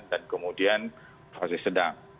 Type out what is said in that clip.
dan kemudian fase sedang